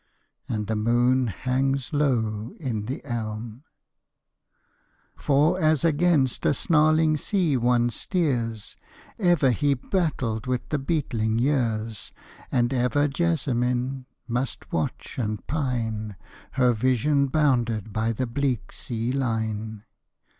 And the moon hangs low in the elm. For as against a snarling sea one steers, Ever he battled with the beetling years; And ever Jessamine must watch and pine, Her vision bounded by the bleak sea line.